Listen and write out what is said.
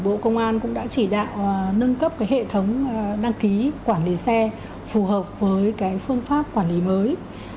bộ công an cũng đã chỉ đạo nâng cấp hệ thống đăng ký quản lý xe phù hợp với cái phương pháp quản lý mới